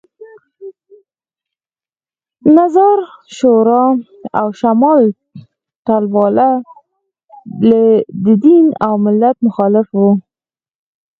نظار شورا او شمال ټلواله د دین او ملت مخالف وو